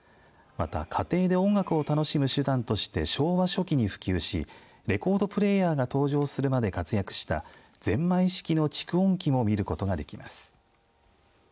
また、家庭で音楽を楽しむ手段として昭和初期に普及しレコードプレーヤーが登場するまで活躍したゼンマイ式の蓄音機も見ることができます。